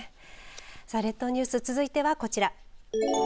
さあ列島ニュース続いてはこちら。